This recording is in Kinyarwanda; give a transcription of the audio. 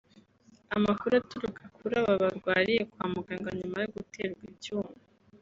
Amakuru aturuka kuri aba barwariye kwa muganga nyuma yo guterwa ibyuma